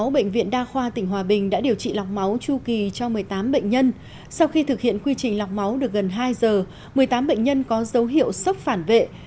bệnh viện đa khoa tỉnh hòa bình đã điều trị lọc máu chu kỳ cho một mươi tám bệnh nhân sau khi thực hiện quy trình lọc máu được gần hai giờ một mươi tám bệnh nhân có dấu hiệu sốc phản vệ